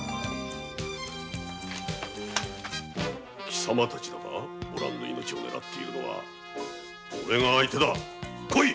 貴様たちだなおらんの命を狙っているのはおれが相手だ来い！